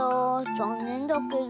ざんねんだけど。